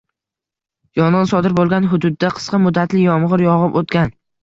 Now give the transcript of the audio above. Yong‘in sodir bo‘lgan hududda qisqa muddatli yomg‘ir yog‘ib o‘tgan